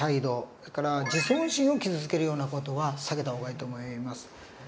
それから自尊心を傷つけるような事は避けた方がいいと思います。